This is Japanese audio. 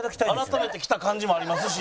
改めて来た感じもありますし。